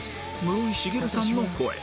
室井滋さんの声